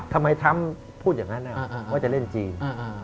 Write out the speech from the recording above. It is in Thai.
ทำไมทรัมป์พูดอย่างนั้นว่าจะเล่นจีน